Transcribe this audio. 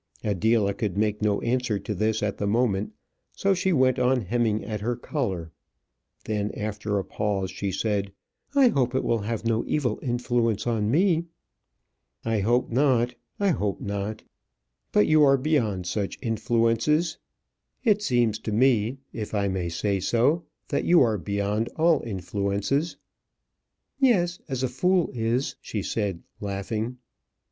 Adela could make no answer to this at the moment, so she went on hemming at her collar. Then, after a pause, she said, "I hope it will have no evil influence on me." "I hope not I hope not. But you are beyond such influences. It seems to me, if I may say so, that you are beyond all influences." "Yes; as a fool is," she said, laughing.